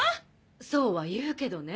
そうは言うけどね。